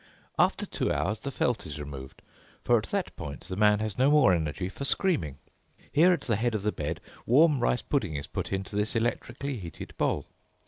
After two hours, the felt is removed, for at that point the man has no more energy for screaming. Here at the head of the bed warm rice pudding is put in this electrically heated bowl.